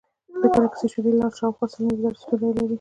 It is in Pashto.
د ګلکسي شیدې لار شاوخوا سل ملیارده ستوري لري.